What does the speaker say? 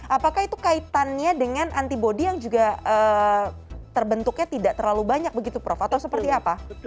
apakah itu kaitannya dengan antibody yang juga terbentuknya tidak terlalu banyak begitu prof atau seperti apa